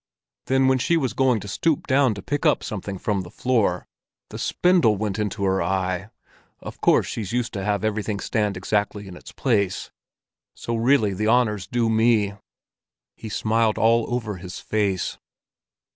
Then when she was going to stoop down to pick up something from the floor, the spindle went into her eye; of course she's used to have everything stand exactly in its place. So really the honor's due to me." He smiled all over his face.